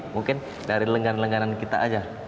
mungkin dari lengan lenganan kita aja